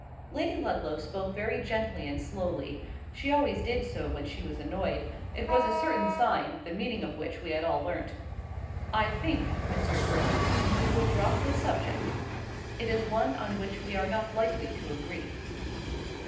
Lady Ludlow spoke very gently and slowly; she always did so when she was annoyed; it was a certain sign, the meaning of which we had all learnt. "I think, Mr. Gray, we will drop the subject. It is one on which we are not likely to agree."